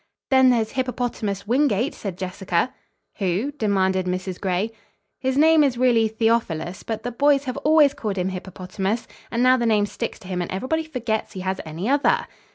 "Then there's 'Hippopotamus' Wingate," said Jessica. "Who?" demanded Mrs. Gray. "His name is really 'Theophilus', but the boys have always called him 'Hippopotamus,' and now the name sticks to him and everybody forgets he has any other."